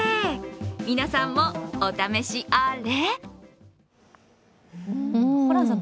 皆さんもお試しあれ。